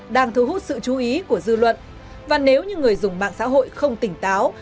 đang thu hút sự chú ý của dư luận và nếu như người dùng mạng xã hội không tỉnh táo